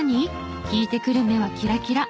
聞いてくる目はキラキラ。